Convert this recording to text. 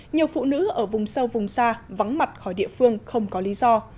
nhiều phụ nữ ở vùng sâu vùng xa vắng mặt khỏi địa phương không có lý do